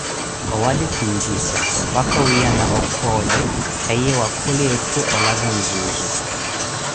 owali kiunjisa, mpaka wiiyana ophoole, kahiye khula etthu olaza nzuuzu.